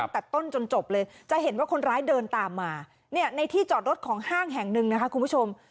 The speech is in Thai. ตัดต้นจนจบเลยจะเห็นว่าคนร้ายเดินตามมาในที่จอดรถของห้างแห่งหนึ่งนะคะคุณผู้ชม